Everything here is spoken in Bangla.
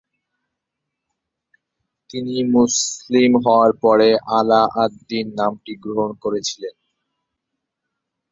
তিনি মুসলিম হওয়ার পরে আলা-আদ-দ্বীন নামটি গ্রহণ করেছিলেন।